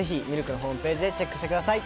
ＬＫのホームページでチェックしてください。